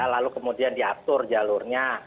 lalu kemudian diatur jalurnya